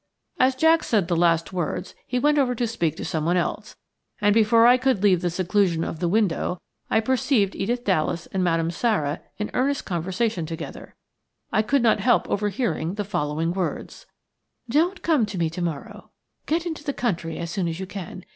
As Jack said the last words he went over to speak to someone else, and before I could leave the seclusion of the window I perceived Edith Dallas and Madame Sara in earnest conversation together. I could not help overhearing the following words:– "Don't come to me to morrow. Get into the country as soon as you can.